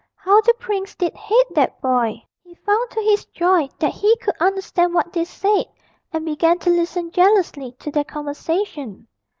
How the prince did hate that boy! he found to his joy that he could understand what they said, and began to listen jealously to their conversation.